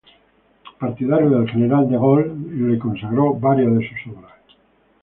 Partidario del general de Gaulle, le consagró varias de sus obras.